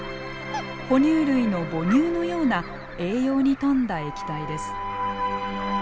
哺乳類の母乳のような栄養に富んだ液体です。